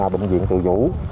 bệnh viện tự vũ